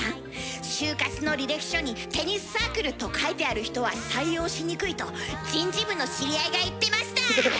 就活の履歴書に「テニスサークル」と書いてある人は採用しにくいと人事部の知り合いが言ってました！